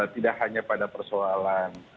tidak hanya pada persoalan